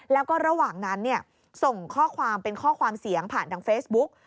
แล้วก็ระหว่างนั้นส่งข้อความเป็นข้อความเสียงผ่านทางเฟซบุ๊ก